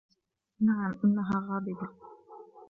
نعم, إنها غاضبة.